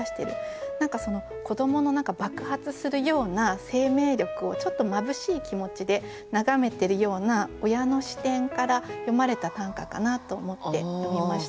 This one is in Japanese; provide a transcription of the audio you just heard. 何かその子どもの爆発するような生命力をちょっとまぶしい気持ちで眺めてるような親の視点から詠まれた短歌かなと思って読みました。